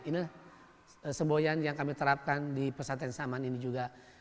inilah semboyan yang kami terapkan di pesantren saman ini juga